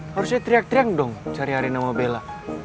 harusnya teriak teriak dong cari arin sama bella